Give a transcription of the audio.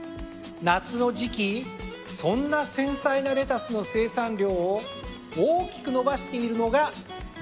夏の時期そんな繊細なレタスの生産量を大きく伸ばしているのが長野県。